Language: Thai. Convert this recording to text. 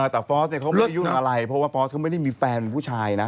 แต่ฟอร์สเขาไม่ได้ยุ่งอะไรเพราะว่าฟอร์สเขาไม่ได้มีแฟนเป็นผู้ชายนะ